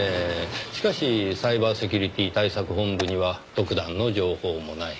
しかしサイバーセキュリティ対策本部には特段の情報もない。